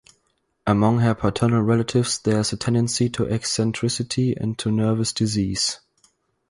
Among her paternal relatives there is a tendency to eccentricity and to nervous disease.